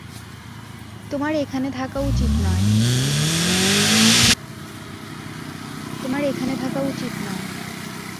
তোমার এখানে থাকা উচিত নয়।